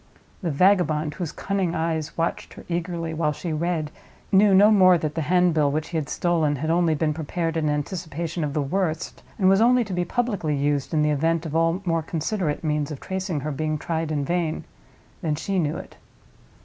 The vagabond, whose cunning eyes watched her eagerly while she read, knew no more that the handbill which he had stolen had only been prepared in anticipation of the worst, and was only to be publicly used in the event of all more considerate means of tracing her being tried in vain—than she knew it.